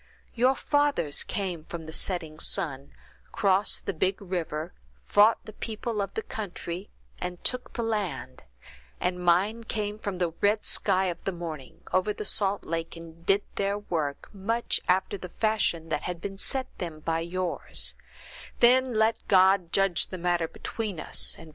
"Your fathers came from the setting sun, crossed the big river, fought the people of the country, and took the land; and mine came from the red sky of the morning, over the salt lake, and did their work much after the fashion that had been set them by yours; then let God judge the matter between us, and friends spare their words!"